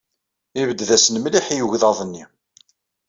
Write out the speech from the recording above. Yebded-asen mliḥ i yegḍaḍ-nni.